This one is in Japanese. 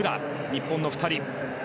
日本の２人。